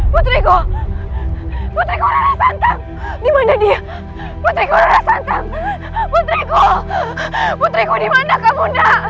putriku putriku putriku dimana kamu